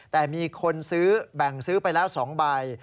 แต่มีคนซื้อแบ่งซื้อไปแล้ว๒ใบ